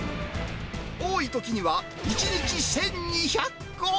多いときには１日１２００個。